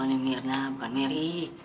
eh kemari mirna bukan meri